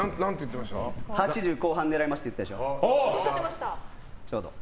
８０後半狙いますって言ったでしょ。